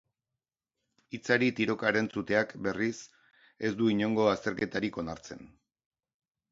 Hitzari tiroka erantzuteak, berriz, ez du inongo azterketarik onartzen.